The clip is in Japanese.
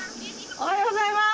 おはようございます！